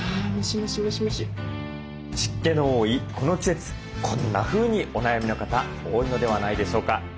湿気の多いこの季節こんなふうにお悩みの方多いのではないでしょうか。